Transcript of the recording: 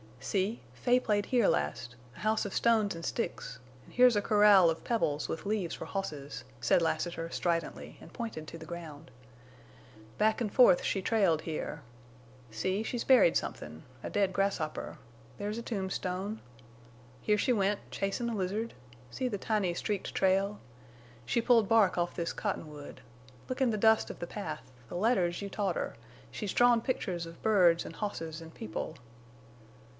"See—Fay played here last—a house of stones an' sticks.... An' here's a corral of pebbles with leaves for hosses," said Lassiter, stridently, and pointed to the ground. "Back an' forth she trailed here.... See, she's buried somethin'—a dead grasshopper—there's a tombstone... here she went, chasin' a lizard—see the tiny streaked trail... she pulled bark off this cottonwood... look in the dust of the path—the letters you taught her—she's drawn pictures of birds en' hosses an' people....